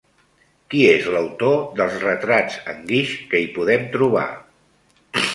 Qui és l'autor dels retrats en guix que hi podem trobar?